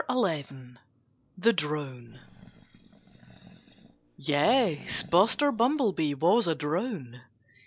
XI THE DRONE Yes! Buster Bumblebee was a drone.